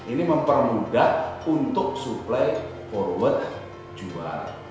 ini mempermudah untuk supply forward jual